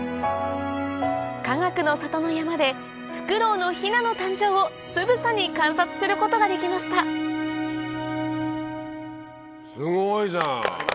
かがくの里の山でフクロウのヒナの誕生をつぶさに観察することができましたすごいじゃん！